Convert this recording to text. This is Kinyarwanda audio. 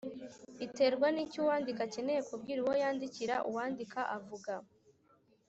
iterwa n icyo uwandika akeneye kubwira uwo yandikira Uwandika avuga